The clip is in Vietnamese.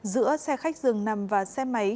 giữa xe khách dừng nằm và xe máy